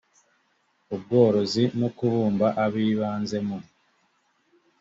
ubworozi no kubumba abibanze mu